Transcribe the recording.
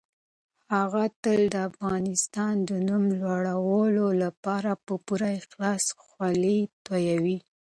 هغه تل د افغانستان د نوم لوړولو لپاره په پوره اخلاص خولې تويوي.